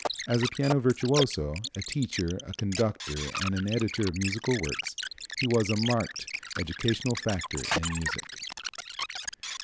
As a piano virtuoso, a teacher, a conductor and an editor of musical works, he was a marked educational factor in music.